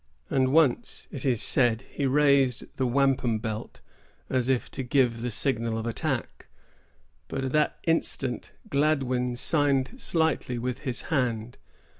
And once, it is said, he raised the wampum belt as if about to give the signal of attack. But at that instant Gladwyn signed slightly with his hand.